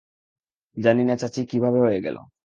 জানি না, চাচি, কিভাবে হয়ে গেল?